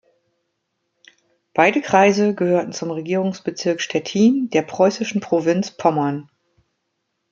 Beide Kreise gehörten zum Regierungsbezirk Stettin der preußischen Provinz Pommern.